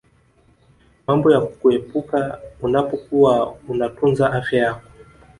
mambo ya kuepuka unapokuwa unatunza afya yako